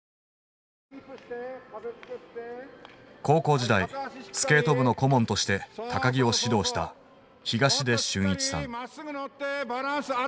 高校時代スケート部の顧問として木を指導した東出俊一さん。